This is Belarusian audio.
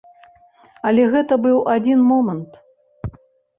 Але гэта быў адзін момант.